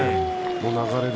流れで。